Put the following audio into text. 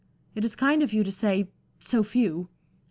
It is kind of you to say so few.